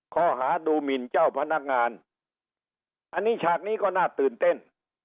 ข้อหาดูหมินเจ้าพนักงานอันนี้ฉากนี้ก็น่าตื่นเต้น